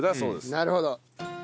なるほど！